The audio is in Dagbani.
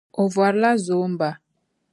O vɔri la zoomba.